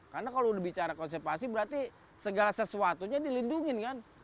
karena kalau udah bicara konservasi berarti segala sesuatunya dilindungi kan